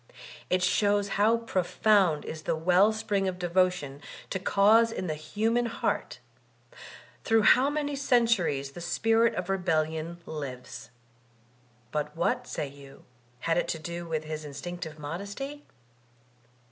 It shows how profound is the well spring of devotion to cause in the human heart; through how many centuries the spirit of rebellion lives. But what, say you, had it to do with his instinctive modesty?